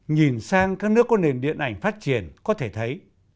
nhìn sang các nước có nền điện ảnh phát triển có thể thấy